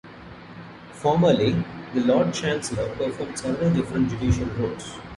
Formerly, the Lord Chancellor performed several different judicial roles.